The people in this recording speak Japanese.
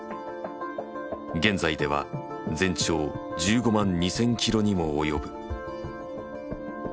現在では全長１５万２，０００キロにも及ぶ。